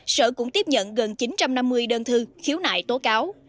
sở cũng tiếp nhận gần chín trăm năm mươi đơn thư khiếu nại tố cáo